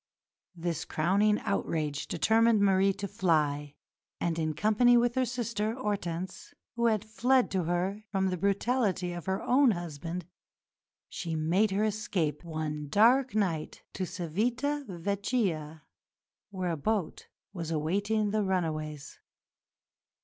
This crowning outrage determined Marie to fly, and, in company with her sister, Hortense, who had fled to her from the brutality of her own husband, she made her escape one dark night to Civita Vecchia, where a boat was awaiting the runaways.